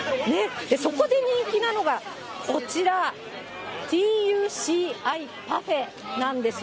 そこで人気なのがこちら、ＴＵＣＩパフェなんですよ。